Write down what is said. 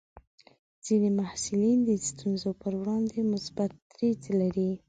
ځینې محصلین د ستونزو پر وړاندې مثبت دریځ لري.